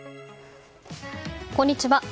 こんにちは。